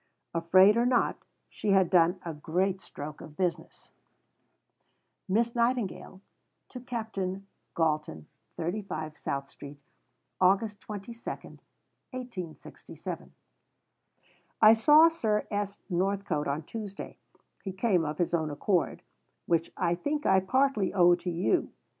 Afraid or not, she had done a great stroke of business: (Miss Nightingale to Captain Galton.) 35 SOUTH STREET, August 22 . I saw Sir S. Northcote on Tuesday. He came of his own accord which I think I partly owe to you.